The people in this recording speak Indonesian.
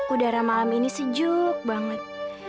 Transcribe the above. udara malam ini sejuk banget